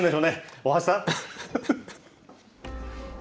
大橋さん。